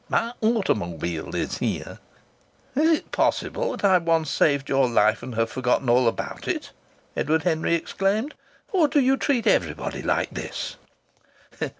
My automobile is here." "Is it possible that I once saved your life and have forgotten all about it?" Edward Henry exclaimed. "Or do you treat everybody like this?"